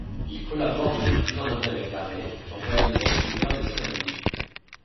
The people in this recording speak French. Il collabore depuis plusieurs années avec la Rai, en réalisant diversdessins animés.